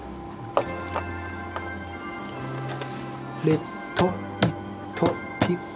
レットイットピッ。